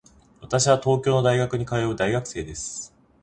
私は東京の大学に通う大学生です。